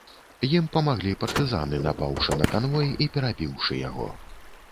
Ім памаглі партызаны, напаўшы на канвой і перабіўшы яго.